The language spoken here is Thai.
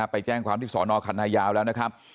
ไปแจ้งความที่สอนอคันนายาวแล้วนะครับ